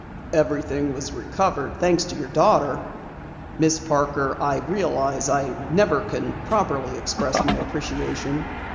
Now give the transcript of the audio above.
"Everything was recovered, thanks to your daughter. Miss Parker, I realize I never can properly express my appreciation."